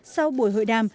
sau buổi hội đàm